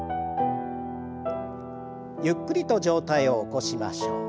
ゆっくりと上体を起こしましょう。